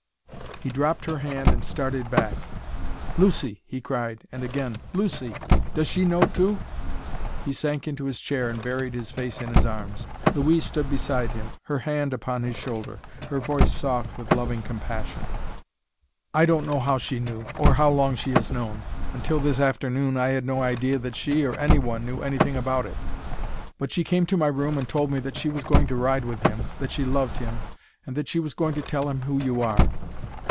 He dropped her hand and started back. "Lucy!" he cried, and again, "Lucy! Does she know, too?" He sank into his chair and buried his face in his arms. Louise stood beside him, her hand upon his shoulder, her voice soft with loving compassion. "I don't know how she knew, nor how long she has known. Until this afternoon I had no idea that she, or any one, knew anything about it. But she came to my room and told me that she was going to ride with him, that she loved him, and that she was going to tell him who you are."